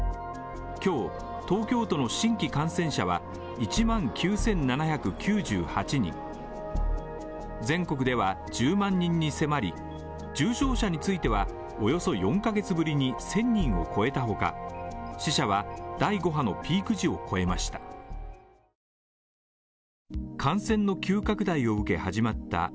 今日東京都の新規感染者は１万９７９８人全国では１０万人に迫り、重症者についてはおよそ４カ月ぶりに１０００人を超えたほか、死者は第５波のピーク時を超えました。